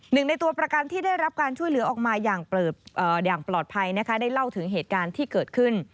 หนึ่งในตัวประกันที่ได้รับการช่วยเหลือออกมาอย่างปลอดภัยนะคะได้เล่าถึงเหตุการณ์ที่เกิดขึ้น